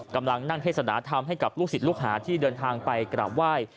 กำลังนั่งเทศนาธรรมให้กับลูกศิษย์ลูกหาที่เดินทางไปกราบไหว้